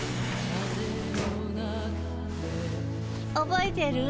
覚えてる？